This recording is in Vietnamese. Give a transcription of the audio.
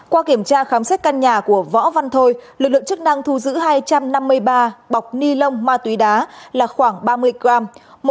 qua kiểm tra khám xét căn nhà của võ văn thôi lực lượng chức năng thu giữ hai trăm năm mươi ba bọc ni lông ma túy đá là khoảng ba mươi gram